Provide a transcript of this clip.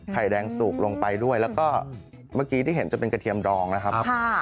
ข้างบัวแห่งสันยินดีต้อนรับทุกท่านนะครับ